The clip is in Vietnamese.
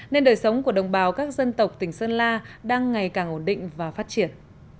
nên đời sống của đồng bào các dân tộc tỉnh sơn la đang ngày càng ổn định và phát triển